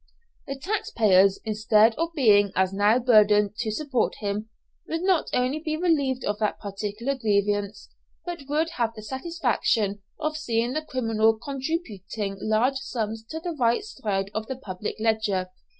The tax payers, instead of being as now burdened to support him, would not only be relieved of that particular grievance, but would have the satisfaction of seeing the criminal contributing large sums to the right side of the public ledger.